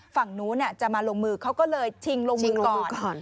ฝั่งนู้นจะมาลงมือเขาก็เลยชิงลงมือก่อน